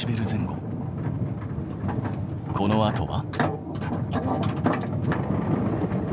このあとは？